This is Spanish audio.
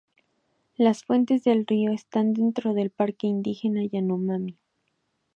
Las fuentes del río están dentro del Parque Indígena Yanomami.